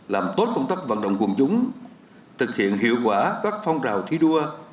làm tốt công tác vận động quân chúng thực hiện hiệu quả các phong trào thi đua